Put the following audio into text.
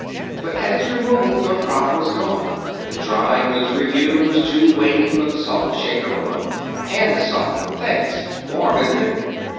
But at its removal her prop was gone. The Dry Goods Review was too weighty for the salt shaker alone. " and the salt. Thanks. Warm, isn't it?"